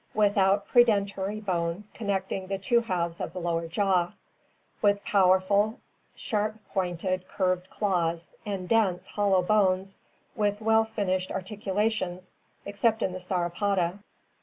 Without predentary bone connecting the two halves of the lower jaw; with powerful, sharp pointed, curved claws, and dense, hollow bones with well finished articulations except in the Sauro poda.